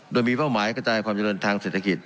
โดยมีเป้าหมายกระจายความเจริญทางเศรษฐกิจ